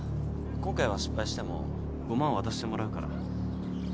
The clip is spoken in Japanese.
今回は失敗しても５万渡してもらうから。